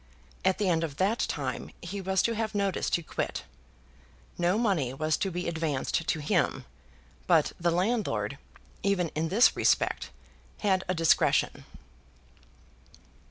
At the end of that time he was to have notice to quit. No money was to be advanced to him; but the landlord, even in this respect, had a discretion.